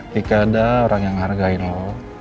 ketika ada orang yang ngehargain lo